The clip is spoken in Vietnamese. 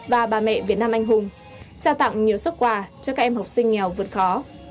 và bà mẹ việt nam anh hùng trao tặng nhiều xuất quà cho các em học sinh nghèo vượt khó